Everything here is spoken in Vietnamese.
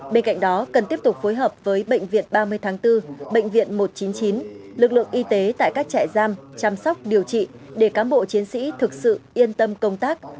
bên cạnh đó cần tiếp tục phối hợp với bệnh viện ba mươi tháng bốn bệnh viện một trăm chín mươi chín lực lượng y tế tại các trại giam chăm sóc điều trị để cán bộ chiến sĩ thực sự yên tâm công tác